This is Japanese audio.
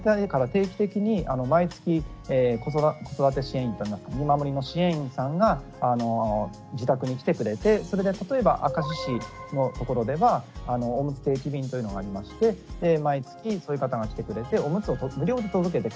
定期的に毎月子育て支援員見守りの支援員さんが自宅に来てくれてそれで例えば明石市のところではおむつ定期便というのがありまして毎月そういう方が来てくれておむつを無料で届けてくれると。